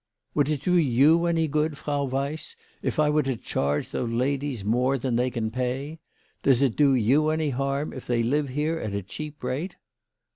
" Would it do you any good, Frau Weiss, if I were to charge those ladies more than they can pay ? Does it do you any harm if they live here at a cheap rate